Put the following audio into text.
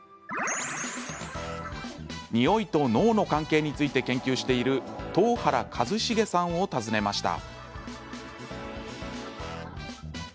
匂いと脳の関係について研究している東原和成さんを訪ねました。